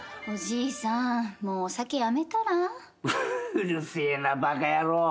うるせえなバカ野郎。